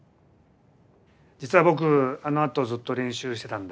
実は僕あのあとずっと練習してたんだ。